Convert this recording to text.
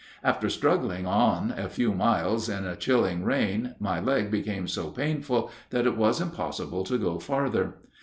After struggling on a few miles in a chilling rain, my leg became so painful that it was impossible to go farther.